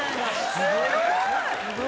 すごい！